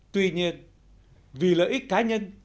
tuy nhiên vì lợi ích cá nhân